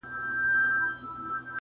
o برخي وېشه، مړونه گوره!